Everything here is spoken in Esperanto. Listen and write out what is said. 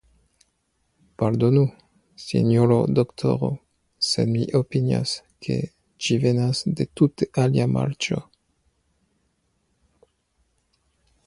Pardonu, sinjoro doktoro, sed mi opinias, ke ĝi venas de tute alia marĉo.